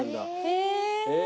へえ。